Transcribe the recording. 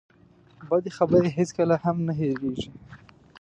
بدې خبرې هېڅکله هم نه هېرېږي.